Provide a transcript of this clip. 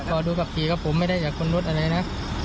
ก็ดูกับฮีกระโปรงไม่ได้อยากค้นรถอะไรนะ